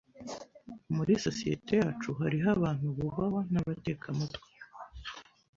Muri societe yacu, hariho abantu bubahwa nabatekamutwe.